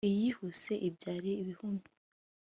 iyihuse ibyara ibihumye